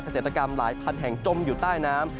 เศรษฐกรรมหลายพันแห่งจมอยู่ใต้น้ำ